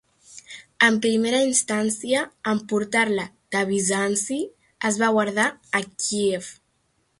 En primera instància, en portar-la de Bizanci, es va guardar a Kíev.